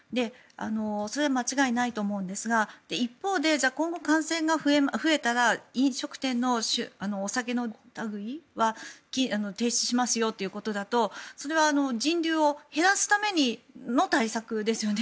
それは間違いないと思うんですが一方で今後、感染が増えたら飲食店のお酒の類いは停止しますよということだとそれは人流を減らすための対策ですよね。